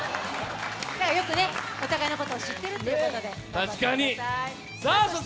よくお互いのことを知ってるということで頑張ってください。